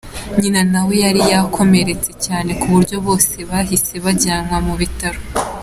Nyina na we yari yakomeretse cyane ku buryo bose bahise bajyanwa mu bitaro.